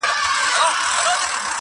• تاو یې دی له سره خو حریر خبري نه کوي..